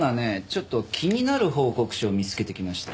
ちょっと気になる報告書を見つけてきましてね。